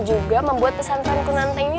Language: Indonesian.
juga membuat pesan pesan kun anta ini